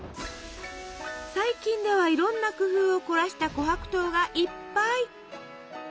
最近ではいろんな工夫を凝らした琥珀糖がいっぱい！